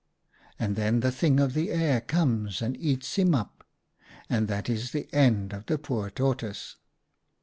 And then the Thing of the Air comes and eats him up, and that is the end of the poor Tortoise.